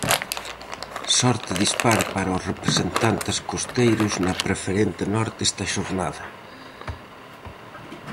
Sorte dispar para os representantes costeiros na Preferente norte esta xornada.